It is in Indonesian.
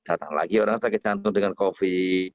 datang lagi orang sakit jantung dengan covid